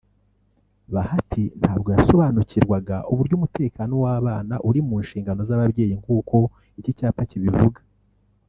Bahati ntabwo yasobanukirwaga uburyo Umutekano w'abana uri mu nshingano z'ababyeyi nkuko iki cyapa kibivuga